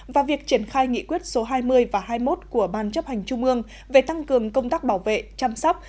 và việc triển khai nghị quyết số hai mươi và hai mươi một của ban chấp hành trung ương về tăng cường công tác bảo vệ chăm sóc